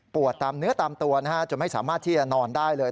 ตามเนื้อตามตัวนะฮะจนไม่สามารถที่จะนอนได้เลย